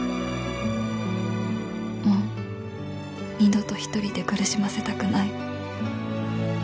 もう二度と一人で苦しませたくない